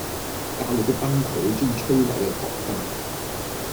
教育既崩潰足以摧毀一個國家